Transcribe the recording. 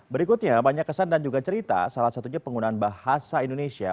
berikutnya banyak kesan dan juga cerita salah satunya penggunaan bahasa indonesia